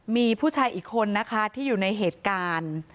มีผู้ชายอีกคนนะคะที่อยู่ในเหตุการณ์